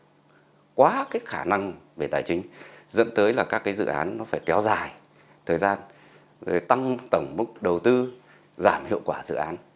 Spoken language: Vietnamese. nếu như là một dự án vượt quá cái khả năng về tài chính dẫn tới là các cái dự án nó phải kéo dài thời gian để tăng tổng mức đầu tư giảm hiệu quả dự án